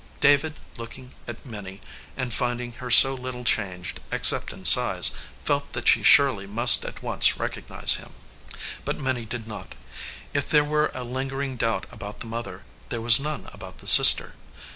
David, looking at Minnie, and finding her so little changed, except 303 EDGEWATER PEOPLE in size, felt that she surely must at once recognize him. But Minnie did not. If there were a lingering doubt about the mother, there was none about the sister.